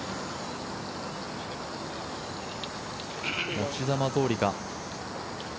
持ち球どおりか。